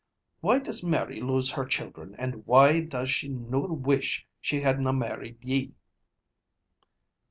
Why does Mary lose her children, and why does she noo wish she had na married ye?"